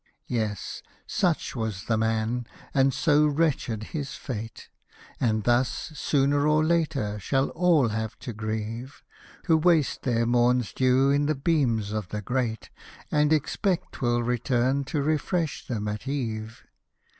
Yes — such was the man, and so wretched his fate ;— And thus, sooner or later, shall all have to grieve. Who waste their morn's dew in the beams of the Great, And expect 'twill return to refresh them at eve.